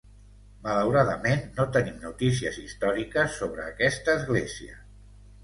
Malauradament no tenim notícies històriques sobre aquesta església.